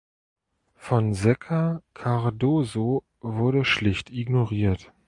Fonseca Cardoso wurde schlicht ignoriert.